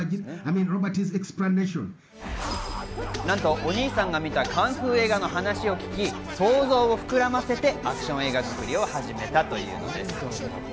なんとお兄さんが見たカンフー映画の話を聞き、想像を膨らませてアクション映画作りを始めたというのです。